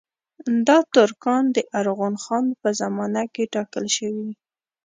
دا ترکان د ارغون خان په زمانه کې ټاکل شوي.